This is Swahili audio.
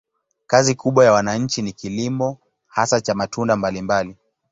Kazi kubwa ya wananchi ni kilimo, hasa cha matunda mbalimbali.